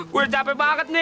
gue capek banget nih